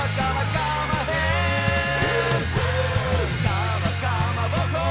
「かまかまぼこ」